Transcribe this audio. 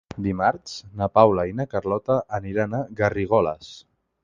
Dimarts na Paula i na Carlota aniran a Garrigoles.